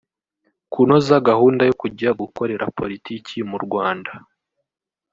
Kunoza gahunda yo kujya gukorera politiki mu Rwanda